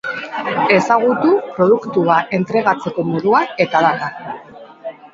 Ezagutu produktua entregatzeko modua eta data.